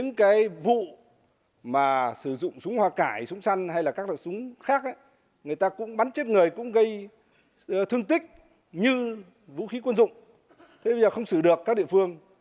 người ta cũng bắn chết người cũng gây thương tích như vũ khí quân dụng thế bây giờ không xử được các địa phương